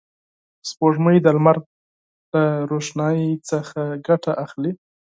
سپوږمۍ د لمر له روښنایي څخه ګټه اخلي